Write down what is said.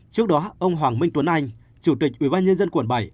trước đó ông hoàng minh tuấn anh chủ tịch ubnd quận bảy